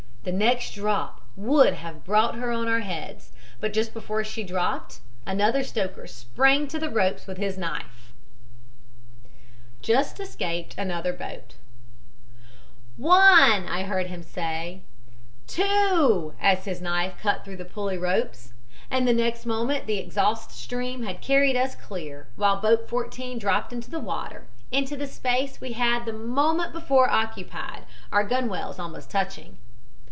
The next drop would have brought her on our heads, but just before she dropped another stoker sprang to the ropes, with his knife. JUST ESCAPED ANOTHER BOAT "'One,' I heard him say, 'two,' as his knife cut through the pulley ropes, and the next moment the exhaust stream had carried us clear, while boat 14 dropped into the water, into the space we had the moment before occupied, our gunwales almost touching.